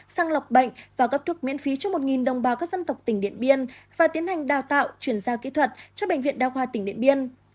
sang lọc bệnh và cấp thuốc miễn phí cho một đồng bào các dân tộc tỉnh điện biên và tiến hành đào tạo chuyển giao kỹ thuật cho bệnh viện đa khoa tỉnh điện biên